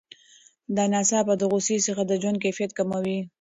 د ناڅاپه غوسې څپې د ژوند کیفیت کموي.